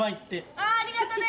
あありがとね！